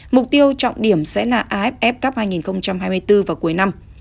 mục tiêu trọng điểm sẽ là aff cup hai nghìn hai mươi bốn và cuối năm